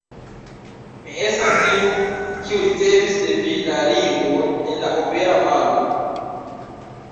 Mi estas tiu, kiu ricevis de vi la ringon en la opera balo.